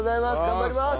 頑張ります！